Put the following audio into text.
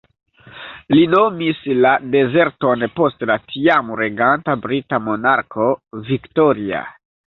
Li nomis la dezerton post la tiam-reganta brita monarko, Viktoria.